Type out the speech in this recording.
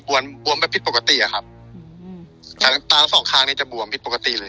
บวมแบบพิษปกติอะครับตาสองข้างเนี่ยจะบวมพิษปกติเลย